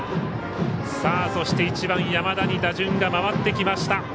１番、山田に打順が回ってきました。